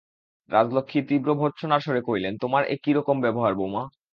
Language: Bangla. রাজলক্ষ্মী তীব্র ভর্ৎসনার স্বরে কহিলেন, তোমার এ কী রকম ব্যবহার, বউমা।